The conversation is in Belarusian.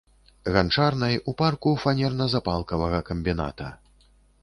Ганчарнай, у парку фанерна-запалкавага камбіната.